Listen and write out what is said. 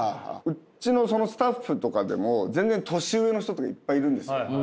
うちのスタッフとかでも全然年上の人とかいっぱいいるんですよ。